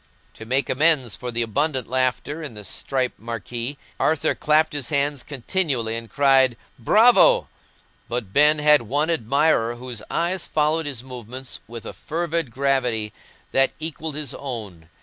To make amends for the abundant laughter in the striped marquee, Arthur clapped his hands continually and cried "Bravo!" But Ben had one admirer whose eyes followed his movements with a fervid gravity that equalled his own.